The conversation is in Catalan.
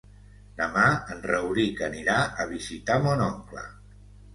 Demà en Rauric anirà a visitar mon oncle.